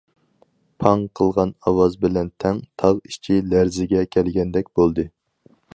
‹‹ پاڭ!›› قىلغان ئاۋاز بىلەن تەڭ تاغ ئىچى لەرزىگە كەلگەندەك بولدى.